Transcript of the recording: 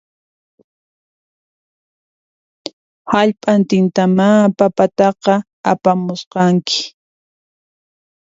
Hallp'antintamá papataqa apamusqanki